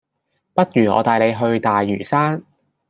不如我帶你去大嶼山